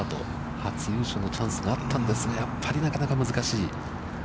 初優勝のチャンスがあったんですが、やっぱりなかなか難しい。